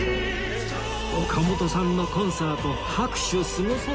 岡本さんのコンサート拍手すごそう